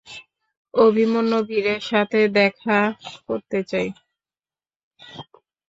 অভিমন্যু ভীরের সাথে দেখা করতে চাই।